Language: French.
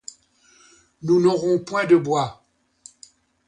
Nous n'aurons point de bois.